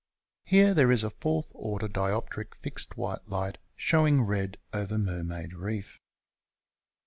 Here there is a fourth order dioptric fixed white light, showing red over Mermaid Reef.